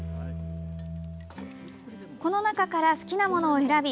この中から好きなものを選び